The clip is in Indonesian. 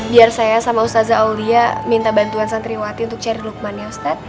biar saya sama ustazah aulia minta bantuan santriwati untuk cari lukman ya ustadz